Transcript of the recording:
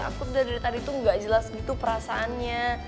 aku dari tadi tuh gak jelas gitu perasaannya